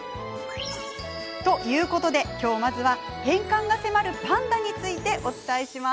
ということで今日は返還が迫るパンダについてお伝えします。